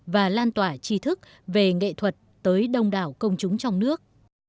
và lan tỏa chi thức về nghệ thuật tới đông đảo công chúng trong nước